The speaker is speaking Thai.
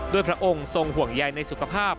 พระองค์ทรงห่วงใยในสุขภาพ